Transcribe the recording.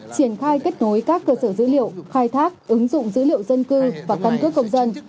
triển khai kết nối các cơ sở dữ liệu khai thác ứng dụng dữ liệu dân cư và căn cước công dân